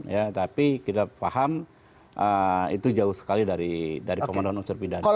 ya tapi kita paham itu jauh sekali dari komando unsur pidana